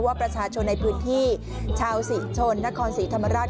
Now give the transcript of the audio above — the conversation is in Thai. ว่าประชาชนในพื้นที่ชาวศรีชนนครศรีธรรมราช